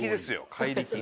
怪力。